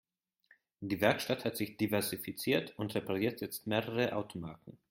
Die Werkstatt hat sich diversifiziert und repariert jetzt mehrere Automarken.